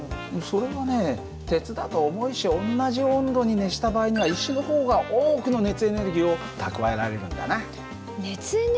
それはね鉄だと重いし同じ温度に熱した場合には熱エネルギーが蓄えられる？